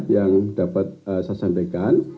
yang dapat saya sampaikan